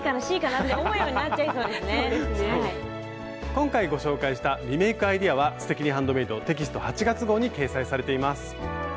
今回ご紹介したリメイクアイデアは「すてきにハンドメイド」テキスト８月号に掲載されています。